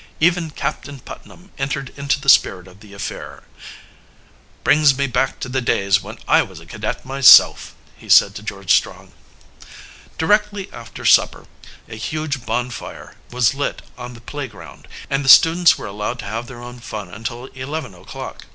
Even Captain Putnam entered into the spirit of the affair. "Brings me back to the days when I was a cadet myself," he said to George Strong. Directly after supper a huge bonfire was lit on the playground, and the students were allowed to have their own fun until eleven o'clock.